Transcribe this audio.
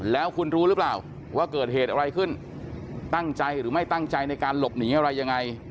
แล้วคุณรู้หรือเปล่าว่าเกิดเหตุอะไรขึ้นตั้งใจหรือไม่ตั้งใจในการหลบหนีอะไรยังไง